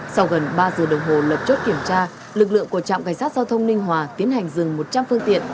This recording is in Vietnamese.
sau gần ba giờ đồng hồ lập chốt kiểm tra lực lượng của trạm cảnh sát giao thông ninh hòa tiến hành dừng một trăm linh phương tiện